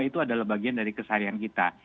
itu adalah bagian dari keseharian kita